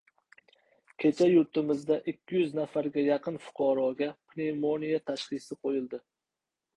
Kecha yurtimizda ikki yuz nafarga yaqin fuqaroga pnevmoniya tashxisi qo‘yildi